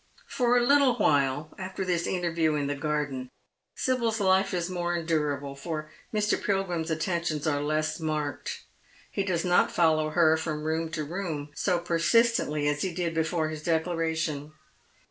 For a little while after this interview in the garden Sibyl's life is more endurable, for Mr. Pilgrim's attentions are less marked. He does not follow her fi om room to room so persistently as he did before his declaration.